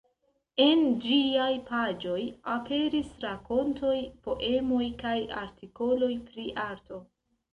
En ĝiaj paĝoj aperis rakontoj, poemoj kaj artikoloj pri arto.